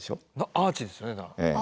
アーチですね。